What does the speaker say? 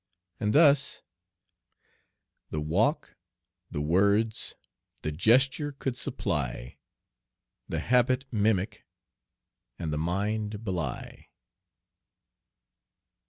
And thus, "The walk, the words, the gesture could supply, The habit mimic and the mien belie."